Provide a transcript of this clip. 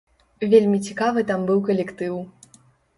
Вельмі цікавы там быў калектыў.